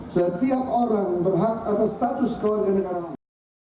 setiap orang berhak atas status kewarganegaraan